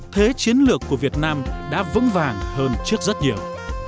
thế chiến lược của việt nam đã vững vàng hơn trước rất nhiều